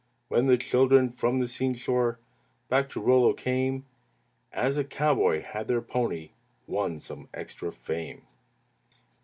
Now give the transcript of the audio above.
When the children from the seashore Back to Rollo came, As a cowboy had their pony Won some extra fame.